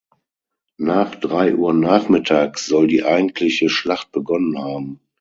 Nach drei Uhr nachmittags soll die eigentliche Schlacht begonnen haben.